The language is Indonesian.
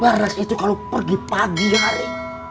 beras itu kalau pergi pagi hari